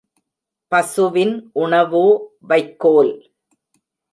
பசுவின் உணவோ வைக்கோல்.